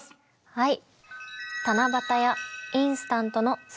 はい。